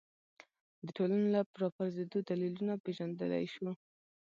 د ټولنې راپرځېدو دلیلونه پېژندلی شو